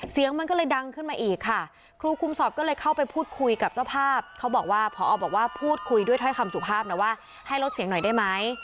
เสียงมันก็เลยดังขึ้นมาอีกค่ะครูคุมสอบก็เลยเข้าไปพูดคุยกับเจ้าภาพเขาบอกว่าพอบอกว่าพูดคุยด้วยถ้อยคำสุภาพนะว่าให้ลดเสียงหน่อยได้ไหม